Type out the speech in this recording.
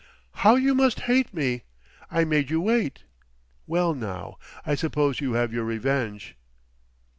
"How you must hate me! I made you wait. Well now—I suppose you have your revenge."